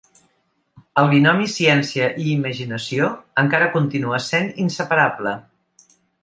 El binomi ciència i imaginació encara continua sent inseparable.